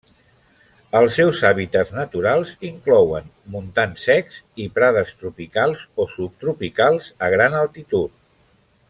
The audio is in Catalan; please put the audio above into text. Els seus hàbitats naturals inclouen montans secs i prades tropicals o subtropicals a gran altitud.